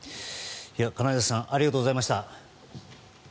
金指さんありがとうございました。